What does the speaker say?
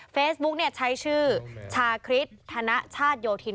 เฟซบุ๊กเนี่ยใช้ชื่อชาคริสธนชาตยทิน